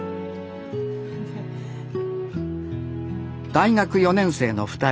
大学４年生の２人。